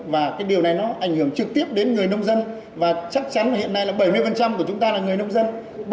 và cái điều này nó ảnh hưởng trực tiếp đến người nông dân và chắc chắn là hiện nay là bảy mươi của chúng ta là người nông dân